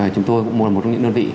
chúng tôi cũng là một trong những đơn vị